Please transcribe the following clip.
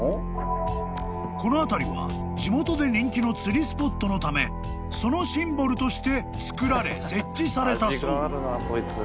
［この辺りは地元で人気の釣りスポットのためそのシンボルとしてつくられ設置されたそう］